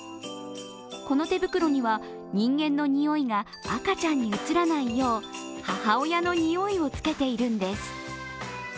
この手袋には、人間の臭いが赤ちゃんにうつらないよう母親のにおいをつけているんです。